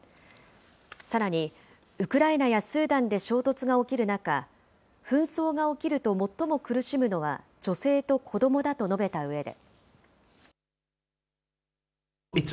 さらに、ウクライナやスーダンで衝突が起きる中、紛争が起きると最も苦しむのは女性と子どもだと述べたうえで。